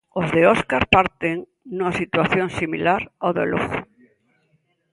Os de Óscar parten nunha situación similar á do Lugo.